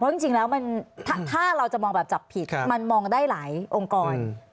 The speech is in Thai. จริงแล้วถ้าเราจะมองแบบจับผิดมันมองได้หลายองค์กร